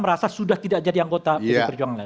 merasa sudah tidak jadi anggota pdi perjuangan